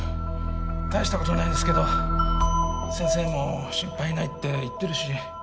大した事ないんですけど先生も心配ないって言ってるし。